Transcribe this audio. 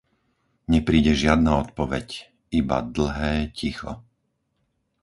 Nepríde žiadna odpoveď, iba dlhé ticho.